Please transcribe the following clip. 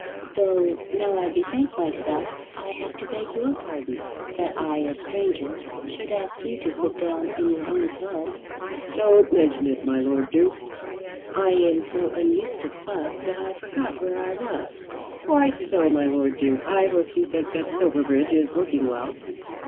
"Though now I bethink myself, I have to beg your pardon; that I a stranger should ask you to sit down in your own club." "Don't mention it, my Lord Duke." "I am so unused to clubs, that I forgot where I was." "Quite so, my Lord Duke. I hope you think that Silverbridge is looking well?"